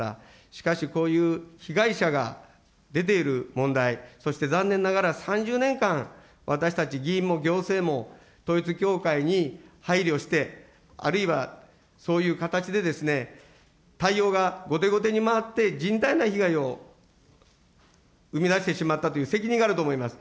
しかし、こういう被害者が出ている問題、そして残念ながら３０年間、私たち議員も行政も、統一教会に配慮して、あるいはそういう形でですね、対応が後手後手に回って甚大な被害を生み出してしまったという責任があると思います。